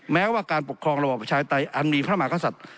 เม้ว่าการปกครองระบบประชาชนิรไตอันมีพระมหาศัตริย์